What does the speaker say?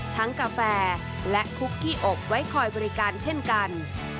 กาแฟและคุกขี้อบไว้คอยบริการเช่นกัน